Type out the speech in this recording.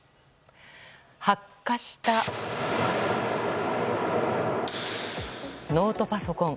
発火したノートパソコン。